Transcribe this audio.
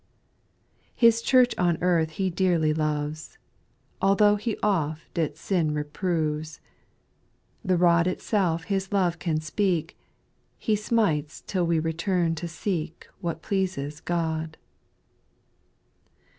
6. His church on earth He dearly loves, Altho' He oft its sin reproves, The rod itself His love can speak. He smites till we return to seek What pleases God.